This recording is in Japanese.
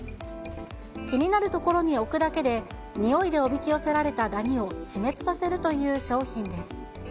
気になる所に置くだけで、においでおびき寄せられたダニを死滅させるという商品です。